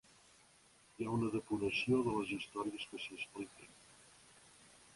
Hi ha una depuració de les històries que s’hi expliquen.